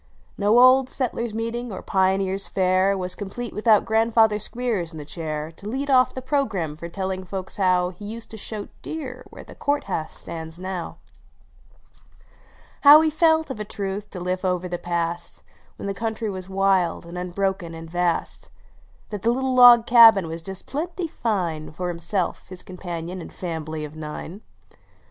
Xo Old Settlers Meeting, or Pioneers Fair, Was complete without grandfather Squeers in the chair " To lead off the programme by telling folks how He used to shoot deer where the Court House stands now 162 GRAXIJFATJIKK S( H EKKS " How he felt, of a truth, to live over the past, When the country was wild and unbroken and vast, " That the little log cabin was just plenty fine For himself, his companion, and fambly of nine!